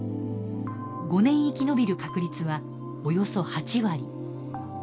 ５年生き延びる確率はおよそ８割。